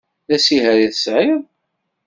D asiher i tesεiḍ?